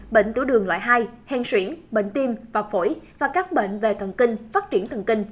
bệnh tiểu đường loại hai hèn xuyển bệnh tim và phổi và các bệnh về thần kinh phát triển thần kinh